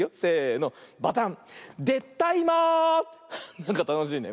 なんかたのしいね。